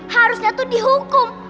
harusnya tuh dihukum